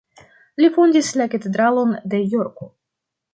Li fondis la katedralon de Jorko.